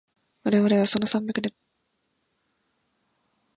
我々はその山脈で土着のガイドを雇った。